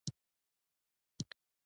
ژبه د افهام او تفهیم یوه طبیعي وسیله ده.